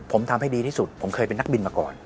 ผมทำให้ดีที่สุดผมเคยเป็นนักบินมาก่อน